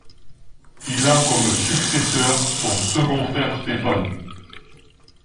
Il a comme successeur son second frère Stefan.